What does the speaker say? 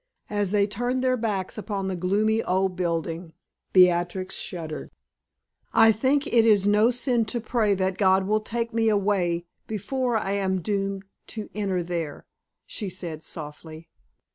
As they turned their backs upon the gloomy old building, Beatrix shuddered. "I think it is no sin to pray that God will take me away before I am doomed to enter there," she said, softly.